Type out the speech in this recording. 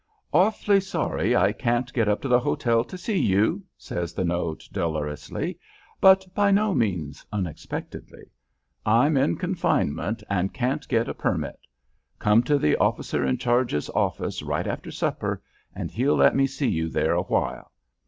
"Awful sorry I can't get up to the hotel to see you," says the note, dolorously, but by no means unexpectedly. "I'm in confinement and can't get a permit. Come to the officer in charge's office right after supper, and he'll let me see you there awhile.